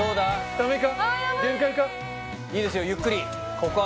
ダメか！